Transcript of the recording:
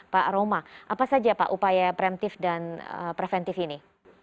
pak roma apa saja pak upaya preventif dan preventif ini